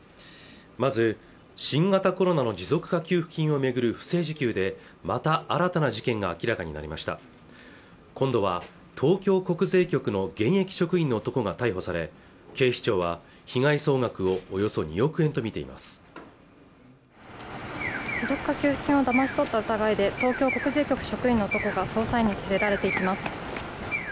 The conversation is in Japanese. まず新型コロナの持続化給付金をめぐる不正受給でまた新たな事件が明らかになりました今度は東京国税局の現役職員の男が逮捕され警視庁は被害総額をおよそ２億円とみています持続化給付金金をだまし取った疑いで東京国税局職員の男が捜査員に連れられていきます